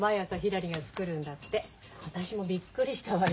私もびっくりしたわよ。